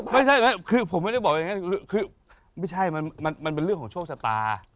ไม่ใช่คือผมไม่ได้บอกอย่างนั้นคือไม่ใช่มันเป็นเรื่องของโชคชะตา